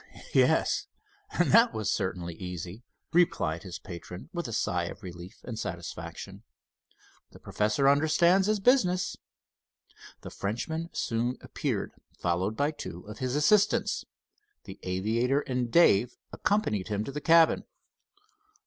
"Yes, and that was certainly easy," replied his patron, with a sigh of relief and satisfaction "The professor understands his business." The Frenchman soon appeared, followed by two of his assistants. The aviator and Dave accompanied him to the cabin.